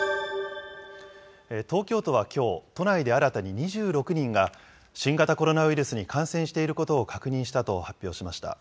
東京都はきょう、都内で新たに２６人が新型コロナウイルスに感染していることを確認したと発表しました。